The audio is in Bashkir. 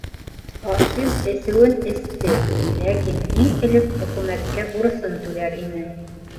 Хашим әсеүен эсте, ләкин иң элек хөкүмәткә бурысын түләр ине.